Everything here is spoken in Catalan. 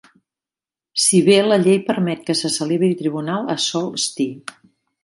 Si bé la llei permet que se celebri tribunal a Sault Ste.